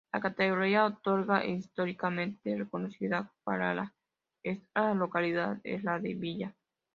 La categoría otorgada e históricamente reconocida para esta localidad es la de villa.